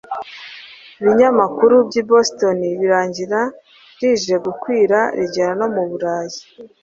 binyamakuru by’i Boston birangira rije gukwira rigera no mu Burayi.